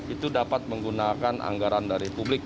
itu dapat menggunakan anggaran dari publik